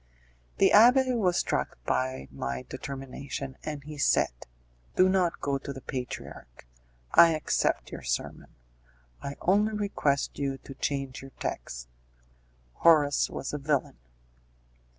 The abbé was struck by my determination and he said, "Do not go to the patriarch; I accept your sermon; I only request you to change your text. Horace was a villain."